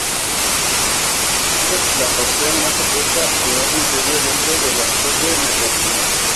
Líder de la facción más opuesta al nuevo Imperio dentro de la urbe mercantil.